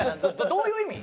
どういう意味？